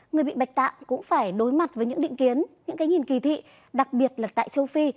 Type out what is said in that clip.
người bị bạch tạng cũng phải đối mặt với những định kiến những cái nhìn kỳ thị đặc biệt là tại châu phi